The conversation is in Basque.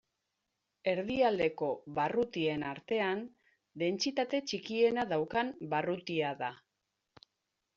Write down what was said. Erdialdeko barrutien artean dentsitate txikiena daukan barrutia da.